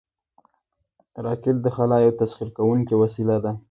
راکټ د خلا یو تسخیر کوونکی وسیله ده